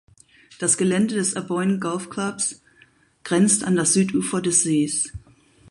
Das Gelände des Aboyne Golf Clubs grenzt an das Südufer des Sees.